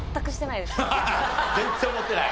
ハハハ全然思ってない？